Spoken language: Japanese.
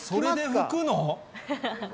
それで拭くの？